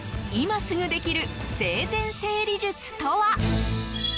今すぐできる生前整理術とは。